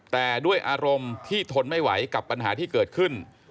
แต่ด้วยอารมณ์ที่ทนไม่ไหวกับปัญหาที่เกิดขึ้น